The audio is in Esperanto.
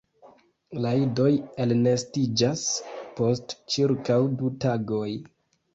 La idoj elnestiĝas post ĉirkaŭ du tagoj.